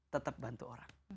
tetap bantu orang